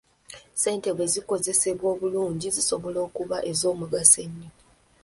Ssente bwezikozesebwa obulungi zisobola okuba ez'omugaso ennyo.